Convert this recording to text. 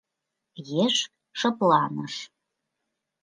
Еш шыпланыш.